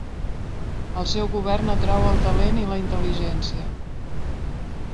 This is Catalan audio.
El seu govern atrau el talent i la intel·ligència.